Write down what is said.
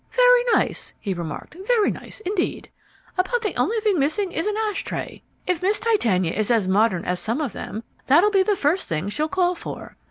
"Very nice," he remarked. "Very nice indeed! About the only thing missing is an ashtray. If Miss Titania is as modern as some of them, that'll be the first thing she'll call for.